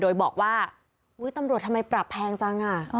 โดยบอกว่าอุ๊ยตำรวจทำไมปรับแพงจัง